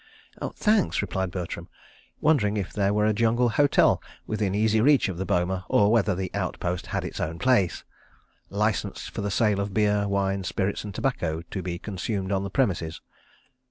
"Thanks," replied Bertram, wondering if there were a Jungle Hotel within easy reach of the boma, or whether the outpost had its own Place, "licensed for the sale of beer, wine, spirits, and tobacco, to be consumed on the premises.